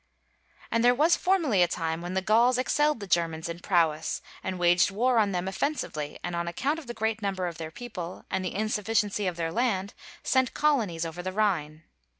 And there was formerly a time when the Gauls excelled the Germans in prowess, and waged war on them offensively, and on account of the great number of their people and the insufficiency of their land, sent colonies over the Rhine.